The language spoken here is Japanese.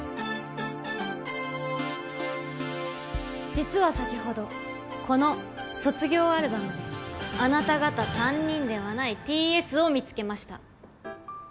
実は先ほどこの卒業アルバムであなた方３人ではないＴ・Ｓを見つけました。